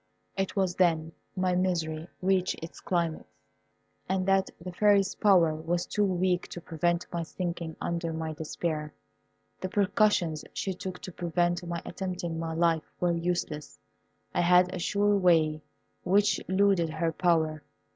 It was then my misery reached its climax, and that the Fairy's power was too weak to prevent my sinking under my despair. The precautions she took to prevent my attempting my life were useless. I had a sure way which eluded her power.